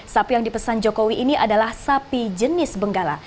sapi yang dipesan jokowi ini adalah sapi jenis benggala